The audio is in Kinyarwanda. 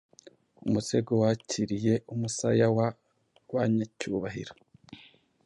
Umusego wakiriye umusaya wa banyacyubahiro